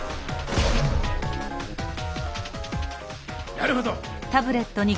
なるほど！